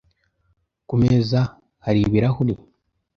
Ku meza hari ibirahuri?